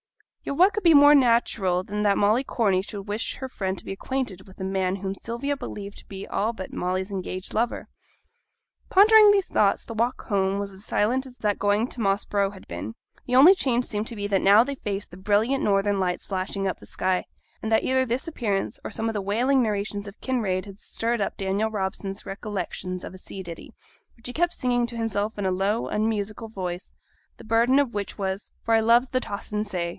Yet what could be more natural than that Molly Corney should wish her friend to be acquainted with the man whom Sylvia believed to be all but Molly's engaged lover? Pondering these thoughts, the walk home was as silent as that going to Moss Brow had been. The only change seemed to be that now they faced the brilliant northern lights flashing up the sky, and that either this appearance or some of the whaling narrations of Kinraid had stirred up Daniel Robson's recollections of a sea ditty, which he kept singing to himself in a low, unmusical voice, the burden of which was, 'for I loves the tossin' say!'